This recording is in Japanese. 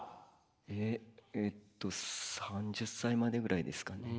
えっえっと３０歳までぐらいですかね。